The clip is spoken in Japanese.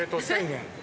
１０００円。